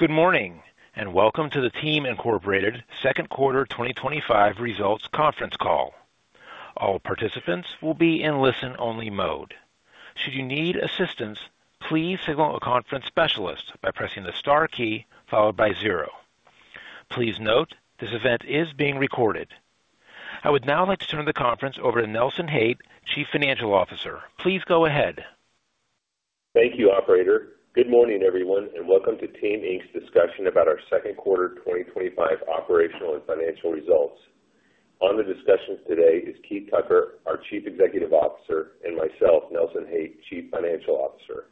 Good morning and welcome to the Team Incorporated Second Quarter 2025 Results Conference Call. All participants will be in listen-only mode. Should you need assistance, please signal a conference specialist by pressing the star key followed by zero. Please note this event is being recorded. I would now like to turn the conference over to Nelson Haight, Chief Financial Officer. Please go ahead. Thank you, Operator. Good morning, everyone, and welcome to Team Inc.'s discussion about our second quarter 2025 operational and financial results. On the discussion today is Keith Tucker, our Chief Executive Officer, and myself, Nelson Haight, Chief Financial Officer.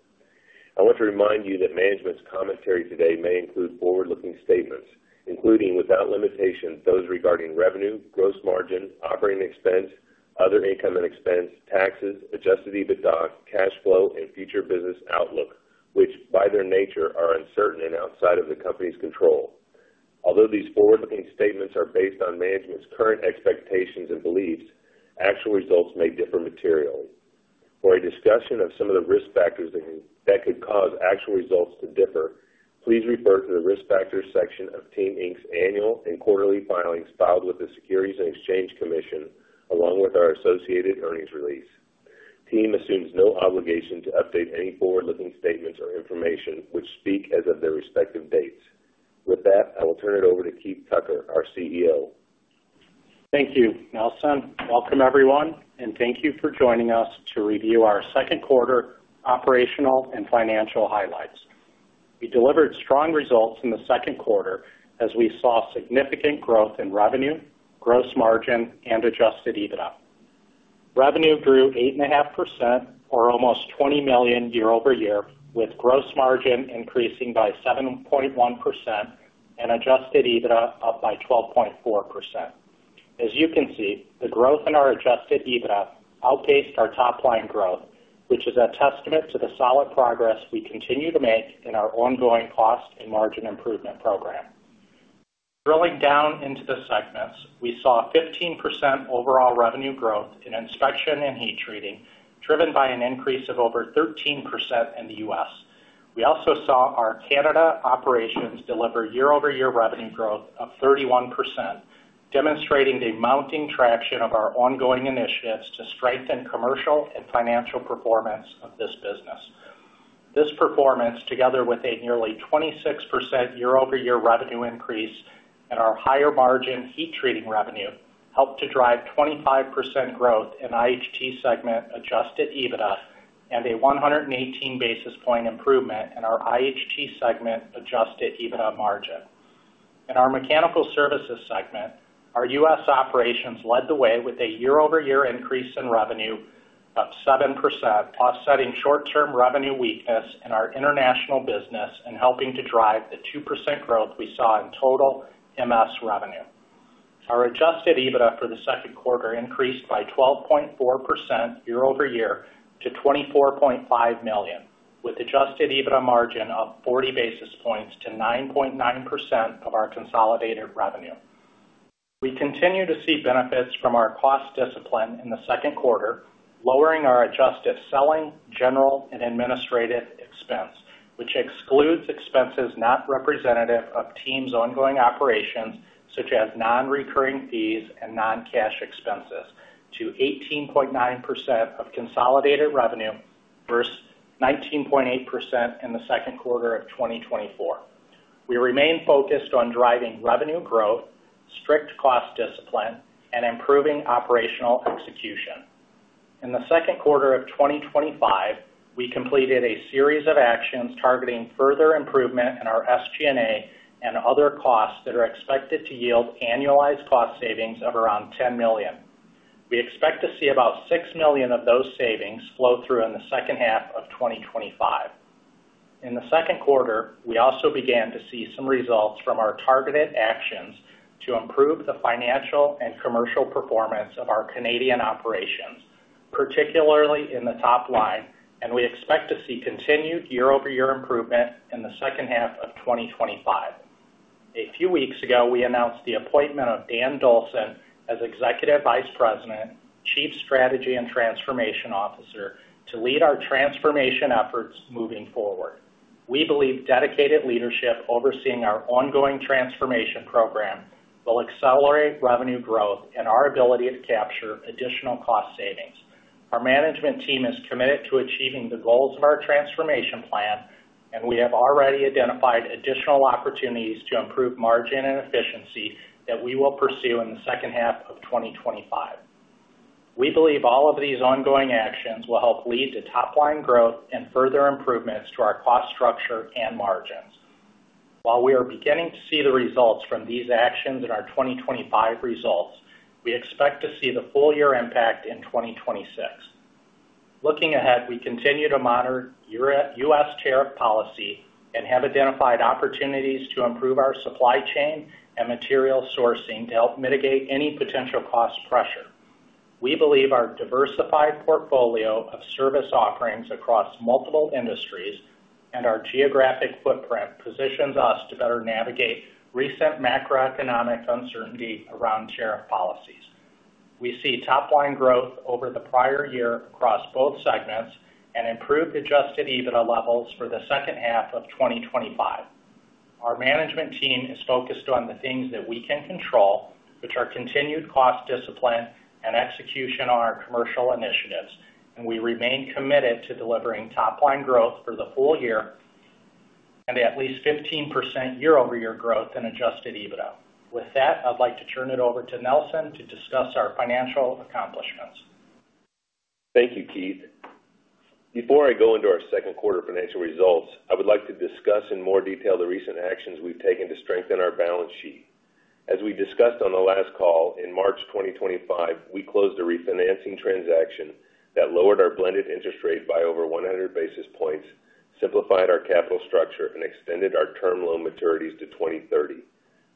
I want to remind you that management's commentary today may include forward-looking statements, including, without limitation, those regarding revenue, gross margin, operating expense, other income and expense, taxes, adjusted EBITDA, cash flow, and future business outlook, which, by their nature, are uncertain and outside of the company's control. Although these forward-looking statements are based on management's current expectations and beliefs, actual results may differ materially. For a discussion of some of the risk factors that could cause actual results to differ, please refer to the risk factors section of Team Inc.'s annual and quarterly filings filed with the Securities and Exchange Commission, along with our associated earnings release. Team assumes no obligation to update any forward-looking statements or information which speak as of their respective dates. With that, I will turn it over to Keith Tucker, our CEO. Thank you, Nelson. Welcome, everyone, and thank you for joining us to review our second quarter operational and financial highlights. We delivered strong results in the second quarter as we saw significant growth in revenue, gross margin, and adjusted EBITDA. Revenue grew 8.5%, or almost $20 million year-over-year, with gross margin increasing by 7.1% and adjusted EBITDA up by 12.4%. As you can see, the growth in our adjusted EBITDA outpaced our top-line growth, which is a testament to the solid progress we continue to make in our ongoing cost and margin improvement program. Drilling down into the segments, we saw 15% overall revenue growth in inspection and heat treating, driven by an increase of over 13% in the U.S. We also saw our Canada operations deliver year-over-year revenue growth of 31%, demonstrating the mounting traction of our ongoing initiatives to strengthen commercial and financial performance of this business. This performance, together with a nearly 26% year-over-year revenue increase and our higher margin heat treating revenue, helped to drive 25% growth in IHT segment adjusted EBITDA and a 118 basis point improvement in our IHT segment adjusted EBITDA margin. In our Mechanical Services segment, our U.S. operations led the way with a year-over-year increase in revenue up 7%, offsetting short-term revenue weakness in our international business and helping to drive the 2% growth we saw in total MS revenue. Our adjusted EBITDA for the second quarter increased by 12.4% year-over-year to $24.5 million, with adjusted EBITDA margin up 40 basis points to 9.9% of our consolidated revenue. We continue to see benefits from our cost discipline in the second quarter, lowering our adjusted selling, general, and administrative expense, which excludes expenses not representative of Team's ongoing operations, such as non-recurring fees and non-cash expenses, to 18.9% of consolidated revenue versus 19.8% in the second quarter of 2024. We remain focused on driving revenue growth, strict cost discipline, and improving operational execution. In the second quarter of 2025, we completed a series of actions targeting further improvement in our SG&A and other costs that are expected to yield annualized cost savings of around $10 million. We expect to see about $6 million of those savings flow through in the second half of 2025. In the second quarter, we also began to see some results from our targeted actions to improve the financial and commercial performance of our Canadian operations, particularly in the top line, and we expect to see continued year-over-year improvement in the second half of 2025. A few weeks ago, we announced the appointment of Dan Dawson as Executive Vice President, Chief Strategy and Transformation Officer, to lead our transformation efforts moving forward. We believe dedicated leadership overseeing our ongoing transformation program will accelerate revenue growth and our ability to capture additional cost savings. Our management team is committed to achieving the goals of our transformation plan, and we have already identified additional opportunities to improve margin and efficiency that we will pursue in the second half of 2025. We believe all of these ongoing actions will help lead to top-line growth and further improvements to our cost structure and margins. While we are beginning to see the results from these actions in our 2025 results, we expect to see the full-year impact in 2026. Looking ahead, we continue to monitor U.S. tariff policy and have identified opportunities to improve our supply chain and material sourcing to help mitigate any potential cost pressure. We believe our diversified portfolio of service offerings across multiple industries and our geographic footprint positions us to better navigate recent macroeconomic uncertainty around tariff policies. We see top-line growth over the prior year across both segments and improved adjusted EBITDA levels for the second half of 2025. Our management team is focused on the things that we can control, which are continued cost discipline and execution of our commercial initiatives, and we remain committed to delivering top-line growth for the full year and at least 15% year-over-year growth in adjusted EBITDA. With that, I'd like to turn it over to Nelson to discuss our financial accomplishments. Thank you, Keith. Before I go into our second quarter financial results, I would like to discuss in more detail the recent actions we've taken to strengthen our balance sheet. As we discussed on the last call, in March 2025, we closed a refinancing transaction that lowered our blended interest rate by over 100 basis points, simplified our capital structure, and extended our term loan maturities to 2030.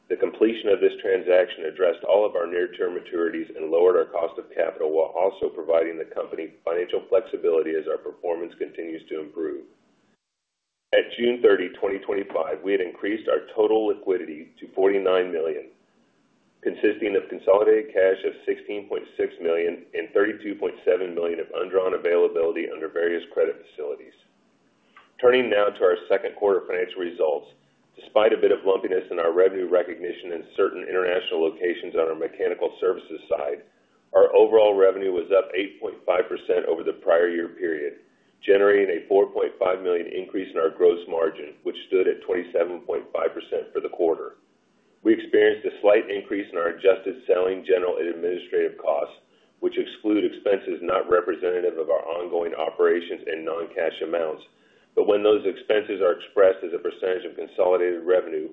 The completion of this transaction addressed all of our near-term maturities and lowered our cost of capital while also providing the company financial flexibility as our performance continues to improve. At June 30, 2025, we had increased our total liquidity to $49 million, consisting of consolidated cash of $16.6 million and $32.7 million of undrawn availability under various credit facilities. Turning now to our second quarter financial results, despite a bit of lumpiness in our revenue recognition in certain international locations on our Mechanical Services side, our overall revenue was up 8.5% over the prior year period, generating a $4.5 million increase in our gross margin, which stood at 27.5% for the quarter. We experienced a slight increase in our adjusted selling, general, and administrative costs, which exclude expenses not representative of our ongoing operations and non-cash amounts. When those expenses are expressed as a percentage of consolidated revenue,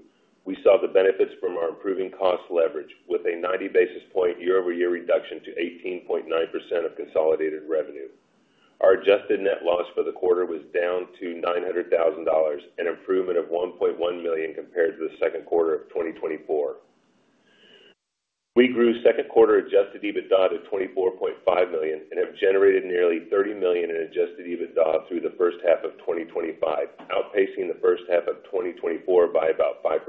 we saw the benefits from our improving cost leverage with a 90 basis point year-over-year reduction to 18.9% of consolidated revenue. Our adjusted net loss for the quarter was down to $900,000, an improvement of $1.1 million compared to the second quarter of 2024. We grew second quarter adjusted EBITDA to $24.5 million and have generated nearly $30 million in adjusted EBITDA through the first half of 2025, outpacing the first half of 2024 by about 5%.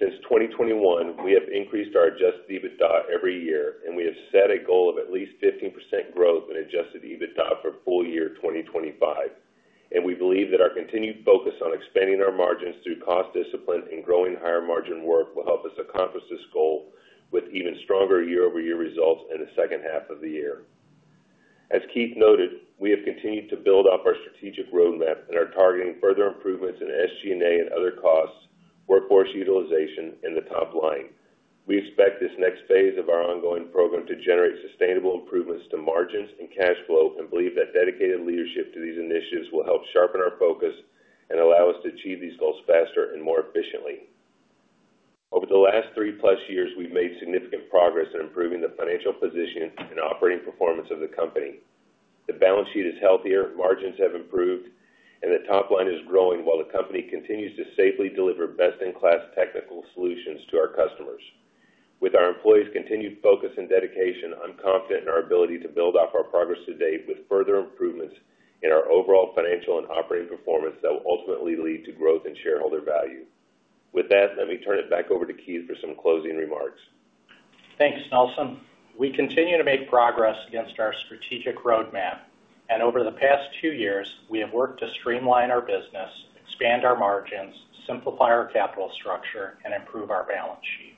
Since 2021, we have increased our adjusted EBITDA every year. We have set a goal of at least 15% growth in adjusted EBITDA for full year 2025. We believe that our continued focus on expanding our margins through cost discipline and growing higher margin work will help us accomplish this goal with even stronger year-over-year results in the second half of the year. As Keith noted, we have continued to build up our strategic roadmap and are targeting further improvements in SG&A and other costs, workforce utilization, and the top line. We expect this next phase of our ongoing program to generate sustainable improvements to margins and cash flow, and believe that dedicated leadership to these initiatives will help sharpen our focus and allow us to achieve these goals faster and more efficiently. Over the last 3+ years, we've made significant progress in improving the financial position and operating performance of the company. The balance sheet is healthier, margins have improved, and the top line is growing while the company continues to safely deliver best-in-class technical solutions to our customers. With our employees' continued focus and dedication, I'm confident in our ability to build off our progress today with further improvements in our overall financial and operating performance that will ultimately lead to growth in shareholder value. With that, let me turn it back over to Keith for some closing remarks. Thanks, Nelson. We continue to make progress against our strategic roadmap, and over the past two years, we have worked to streamline our business, expand our margins, simplify our capital structure, and improve our balance sheet.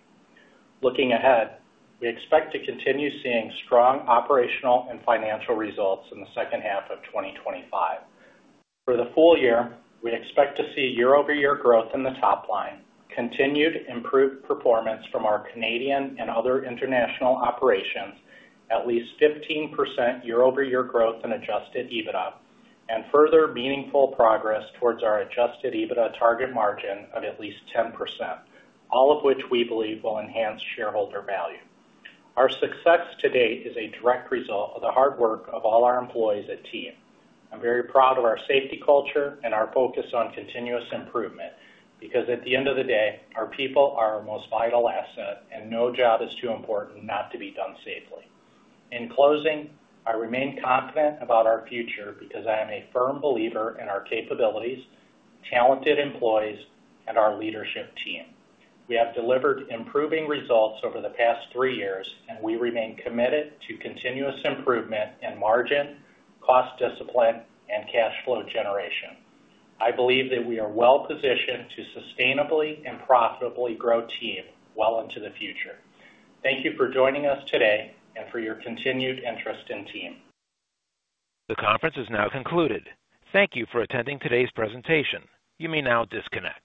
Looking ahead, we expect to continue seeing strong operational and financial results in the second half of 2025. For the full year, we expect to see year-over-year growth in the top line, continued improved performance from our Canadian and other international operations, at least 15% year-over-year growth in adjusted EBITDA and further meaningful progress towards our adjusted EBITDA target margin of at least 10%, all of which we believe will enhance shareholder value. Our success to date is a direct result of the hard work of all our employees at Team. I'm very proud of our safety culture and our focus on continuous improvement because, at the end of the day, our people are our most vital asset, and no job is too important not to be done safely. In closing, I remain confident about our future because I am a firm believer in our capabilities, talented employees, and our leadership team. We have delivered improving results over the past three years, and we remain committed to continuous improvement in margin, cost discipline, and cash flow generation. I believe that we are well positioned to sustainably and profitably grow Team well into the future. Thank you for joining us today and for your continued interest in Team. The conference is now concluded. Thank you for attending today's presentation. You may now disconnect.